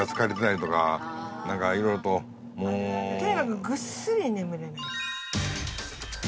とにかくぐっすり眠れない。